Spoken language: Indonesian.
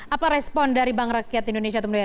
apa respon dari bank rakyat indonesia atau bri